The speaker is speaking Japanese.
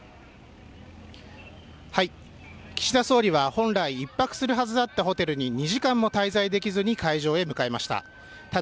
岸田総理は、本来１泊するはずだったホテルに２時間も滞在できずに会場へ向かいました。